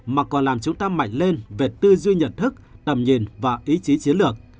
mà còn làm chúng ta mạnh lên về tư duy nhận thức tầm nhìn và ý chí chiến lược